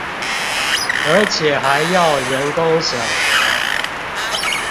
而且還要人工審核